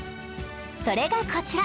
それがこちら